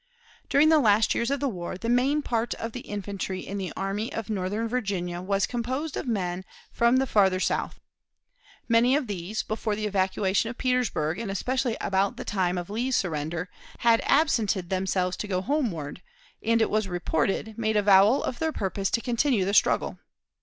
During the last years of the war the main part of the infantry in the Army of Northern Virginia was composed of men from the farther South. Many of these, before the evacuation of Petersburg and especially about the time of Lee's surrender, had absented themselves to go homeward, and, it was reported, made avowal of their purpose to continue the struggle.